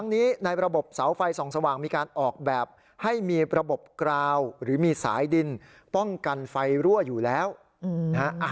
ในประบบเสาไฟส่องสว่างมีการออกแบบให้มีระบบกลาวหรือมีสายดินป้องกันรั่วว่ารายให้ซูได้